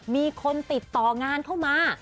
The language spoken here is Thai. มีคนติดต่องานเข้ามา